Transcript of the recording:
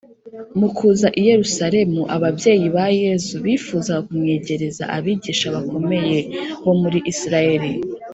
Mu kuza i Yerusalemu, ababyeyi ba Yesu bifuzaga kumwegereza abigisha bakomeye bo mu Isiraheli.